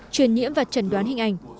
truyền nhiễm và trần đoán hình ảnh